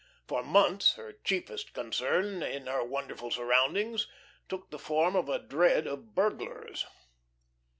For months her chiefest concern in her wonderful surroundings took the form of a dread of burglars.